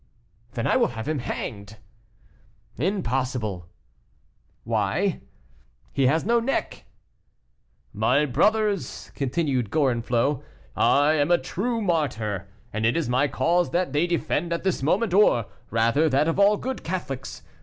"Then I will have him hanged!" "Impossible!" "Why?" "He has no neck." "My brothers," continued Gorenflot: "I am a true martyr, and it is my cause that they defend at this moment or, rather, that of all good Catholics.